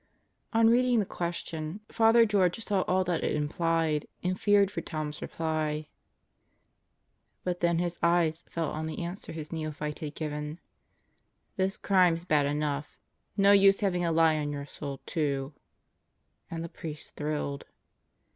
On reading the question, Father George saw all that it im plied, and feared for Tom's reply. But then his eyes fell on the answer his neophyte had given. "This crime's bad enough. No use having a lie on your soul, too." And the priest thrilled.